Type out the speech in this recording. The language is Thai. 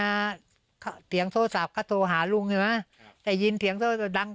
เอ่อเดี๋ยงโทรศัพท์ก็โทรหาลุงใช่ไหมครับได้ยินเดี๋ยงโทรศัพท์ดัง